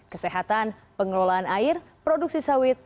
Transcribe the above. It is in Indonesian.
kesehatan pengelolaan air produksi sawit